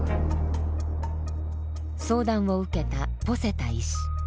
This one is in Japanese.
相談を受けたポセタ医師。